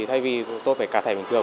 thay vì tôi phải quẹt thẻ bình thường